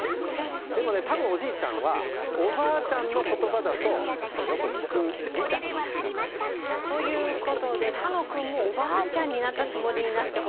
でも多分おじいちゃんはおばあちゃんの言葉だとよく聞くみたい。ということで楽くんもおばあちゃんになったつもりになってほしいんです。